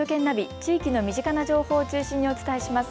地域の身近な情報を中心にお伝えします。